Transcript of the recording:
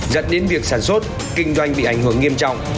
dẫn đến việc sản xuất kinh doanh bị ảnh hưởng nghiêm trọng